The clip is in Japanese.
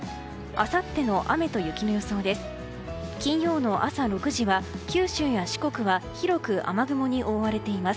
あさっての雨と雪の予想です。